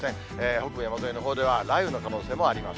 北部山沿いのほうでは、雷雨の可能性もあります。